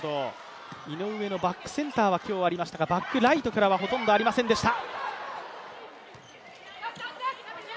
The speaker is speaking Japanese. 井上のバックセンターは今日はありましたがバックライトからはほとんどありませんでした。